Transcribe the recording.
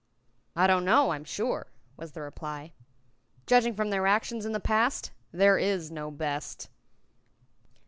"I don't know, I'm sure," was the reply. "Judging from their actions in the past, there is no best."